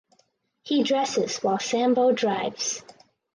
He dresses while Sambo drives.